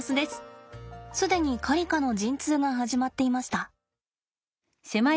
既にカリカの陣痛が始まっていました。